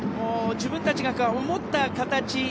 自分たちが思った形。